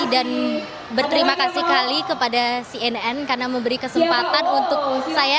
dan berterima kasih sekali kepada cnn karena memberi kesempatan untuk saya